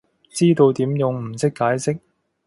知道點用，唔識解釋